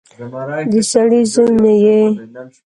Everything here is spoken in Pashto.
د سړي زوی نه يې.